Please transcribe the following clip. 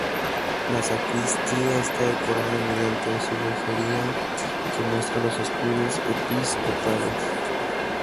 La sacristía está decorada mediante azulejería que muestra los escudos episcopales.